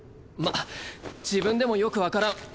まっ自分でもよく分からん。